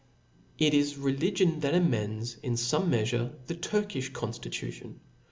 It is religion that amends in Tome raeafure the TurkiQi conftitution.